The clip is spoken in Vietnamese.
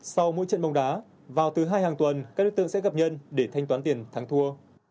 sau mỗi trận bóng đá vào thứ hai hàng tuần các đối tượng sẽ gặp nhân để thanh toán tiền thắng thua